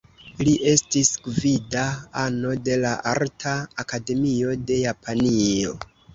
Li estis gvida ano de la Arta Akademio de Japanio.